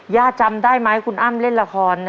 จำได้ไหมคุณอ้ำเล่นละคร